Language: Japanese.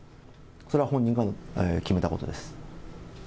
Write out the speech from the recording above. それは本人が決めたことです。